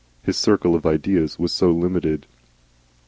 His circle of ideas was so limited.